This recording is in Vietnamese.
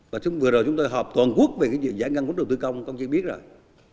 và vừa rồi chúng tôi họp toàn quốc về cái gì giải ngăn vốn đầu tư công các ông chí biết rồi